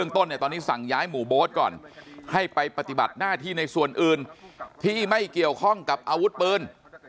ต้นเนี่ยตอนนี้สั่งย้ายหมู่โบ๊ทก่อนให้ไปปฏิบัติหน้าที่ในส่วนอื่นที่ไม่เกี่ยวข้องกับอาวุธปืน